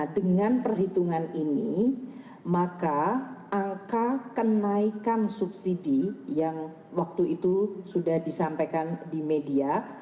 dengan perhitungan ini maka angka kenaikan subsidi yang waktu itu sudah disampaikan di media